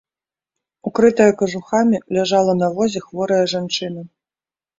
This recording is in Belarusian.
Укрытая кажухамі, ляжала на возе хворая жанчына.